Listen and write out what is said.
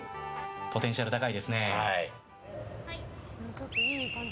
ポテンシャル高いですね。